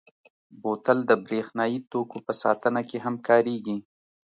بوتل د برېښنايي توکو په ساتنه کې هم کارېږي.